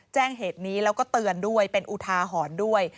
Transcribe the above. แจ้งเหตุนี้แล้วก็เตือนด้วยเป็นอุทาหรณ์ด้วย